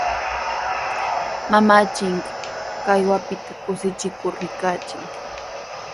Mamanchik kawaptin kushikur rikanchik.